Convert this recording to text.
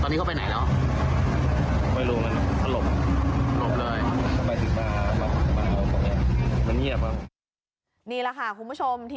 นี่แหละค่ะคุณผู้ชมที่